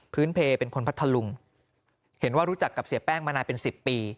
เพลเป็นคนพัทธลุงเห็นว่ารู้จักกับเสียแป้งมานานเป็น๑๐ปี